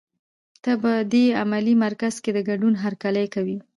ته په دې علمي مرکز کې د ګډون هرکلی کوي.